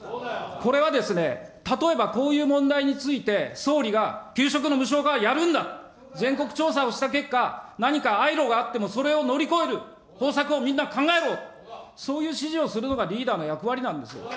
これはですね、例えばこういう問題について、総理が給食の無償化はやるんだ、全国調査をした結果、何かあい路があってもそれを乗り越える方策をみんな考えろ、そういう指示をするのがリーダーの役割なんですよ。